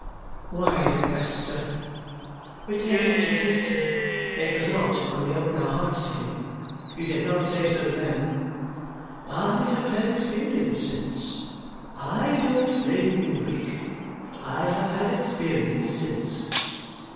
"Why is it best, sir?" returned Richard hastily. "It was not when we opened our hearts to you. You did not say so then." "I have had experience since. I don't blame you, Rick, but I have had experience since."